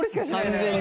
完全に。